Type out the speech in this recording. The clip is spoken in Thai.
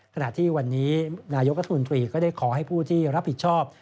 ขณะที่วันนี้นายกรัฐมนตรีก็ได้ขอให้ผู้ที่รับผิดชอบ